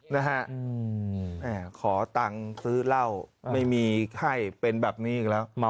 นะฮะขอตังค์ซื้อเหล้าไม่มีไข้เป็นแบบนี้อีกแล้ว